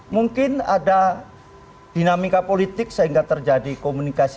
mungkin ada dinamika politik sehingga terjadi komunikasi